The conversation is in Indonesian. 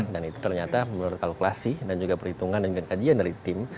dan itu ternyata menurut kalkulasi dan juga perhitungan dan juga kajian dari tim